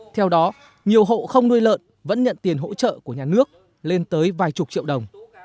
theo đó nhiều hộ không nuôi lợn vẫn nhận tiền hỗ trợ của nhà nước lên tới vài chục triệu đồng